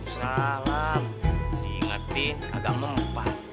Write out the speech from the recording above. salam diingetin agak memupah